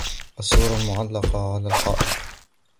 الصورة معلقة على الحائط.